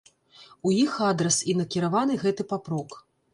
У іх адрас і накіраваны гэты папрок.